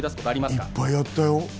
いっぱいやったよ。